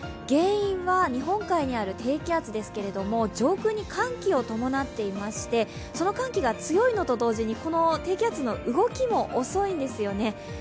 原因は日本海にある低気圧ですけれど上空に寒気を伴っていましてその寒気が強いのと同時に低気圧の動きも遅いんですよね。